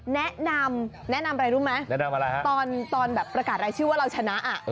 แนะนำแนะนำอะไรรู้ไหมตอนประกาศรายชื่อว่าเราชนะ